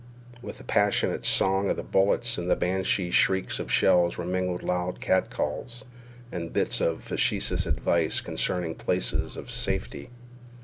With the passionate song of the bullets and the banshee shrieks of shells were mingled loud catcalls and bits of facetious advice concerning places of safety.